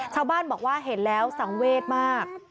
ชาวบ้านบอกว่าเห็นแล้วสังเวทมาก